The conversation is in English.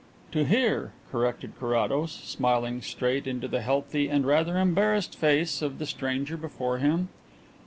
"To hear," corrected Carrados, smiling straight into the healthy and rather embarrassed face of the stranger before him.